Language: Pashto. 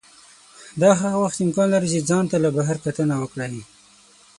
دا هغه وخت امکان لري چې ځان ته له بهر کتنه وکړئ.